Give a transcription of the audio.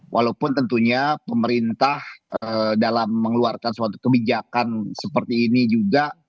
walaupun tentunya pemerintah dalam mengeluarkan suatu kebijakan seperti ini juga